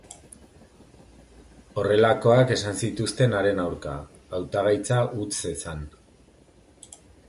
Horrelakoak esan zituzten haren aurka, hautagaitza utz zezan.